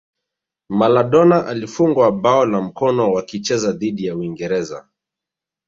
Maladona alifungwa bao la mkono wakicheza dhidi ya uingereza